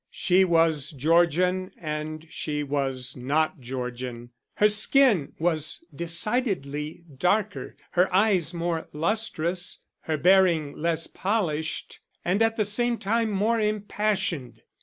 She was Georgian and she was not Georgian. Her skin was decidedly darker, her eyes more lustrous, her bearing less polished and at the same time more impassioned.